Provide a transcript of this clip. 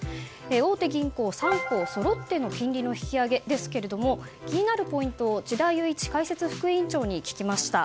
大手銀行３行そろっての金利の引き上げですけども気になるポイントを智田裕一解説副委員長に聞きました。